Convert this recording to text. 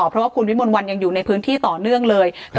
เพราะว่าคุณวิมลวันยังอยู่ในพื้นที่ต่อเนื่องเลย